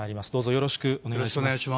よろしくお願いします。